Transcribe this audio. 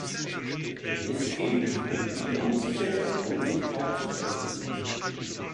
Es gilt, ihn umzusetzen und nicht abzuschwächen.